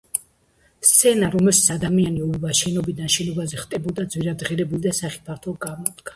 სცენა, რომელშიც ადამიანი ობობა შენობიდან შენობაზე ხტებოდა, ძვირადღირებული და სახიფათო გამოდგა.